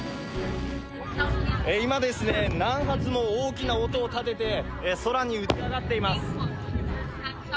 今、何発も大きな音を立てて、空に打ち上がっています。